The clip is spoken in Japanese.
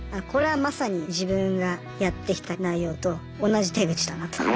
これはまさに自分がやってきた内容と同じ手口だなと。